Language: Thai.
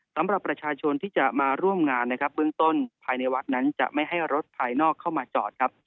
สำหรับประชาชนที่จะมาร่วมงานนะครับเบื้องต้นภายในวัดนั้นจะไม่ให้รถภายนอกเข้ามาจอดครับ